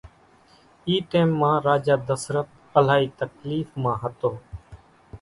اِي ٽيم مان راجا دسرت الائي تڪليڦ مان ھتو